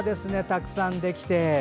たくさんできて。